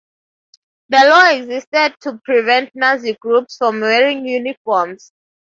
The law existed to prevent Nazi groups from wearing uniforms.